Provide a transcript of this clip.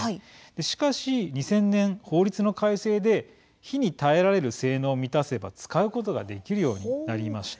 しかし２０００年、法律の改正で火に耐えられる性能を満たせば使うことができるようになりました。